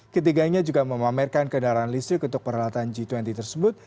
ketiganya juga memamerkan kendaraan listrik untuk peralatan g dua puluh tersebut